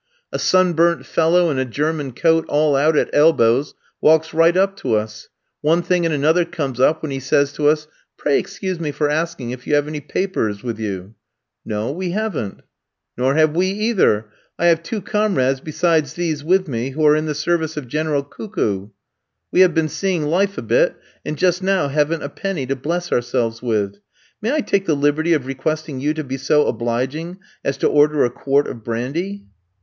A sunburnt fellow in a German coat all out at elbows, walks right up to us. One thing and another comes up, when he says to us: "'Pray excuse me for asking if you have any papers [passport] with you?' "'No, we haven't.' "'Nor have we either. I have two comrades besides these with me who are in the service of General Cuckoo [forest tramps, i.e., who hear the birds sing]. We have been seeing life a bit, and just now haven't a penny to bless ourselves with. May I take the liberty of requesting you to be so obliging as to order a quart of brandy?'